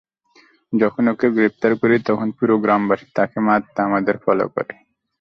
যখন ওকে গ্রেপ্তার করি, তখন পুরো গ্রামবাসী তাকে মারতে আমাদের ফলো করে।